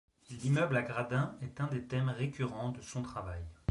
L'immeuble à Gradin est un des thèmes récurrents de son travail.